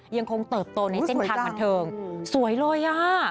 ยังคงเติบโตในเส้นทางบันเทิงสวยเลยอ่ะ